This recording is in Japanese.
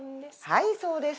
はいそうです。